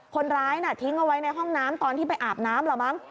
คนร้ายน่ะทิ้งเอาไว้ในห้องน้ำตอนที่ไปอาบน้ำเหรอมั้ง